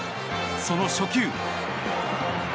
その初球。